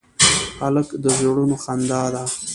هلک د زړونو خندا ده.